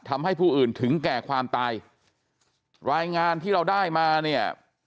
ทำให้ผู้อื่นถึงแก่ความตายรายงานที่เราได้มาเนี่ย